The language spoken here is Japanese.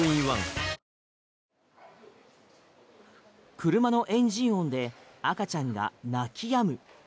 車のエンジン音で赤ちゃんが泣き止む。